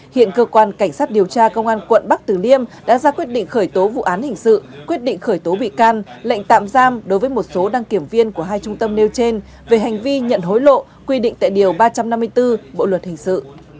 hiện cơ quan cảnh sát điều tra công an quận bắc tử liêm đã ra quyết định khởi tố vụ án hình sự quyết định khởi tố bị can lệnh tạm giam đối với một số đăng kiểm viên của hai trung tâm nêu trên về hành vi nhận hối lộ quy định tại điều ba trăm năm mươi bốn bộ luật hình sự